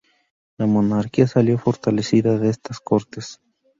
La monarquía salió fortalecida de estas Cortes.